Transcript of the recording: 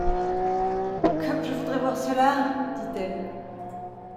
Comme je voudrais voir cela !… dit-elle.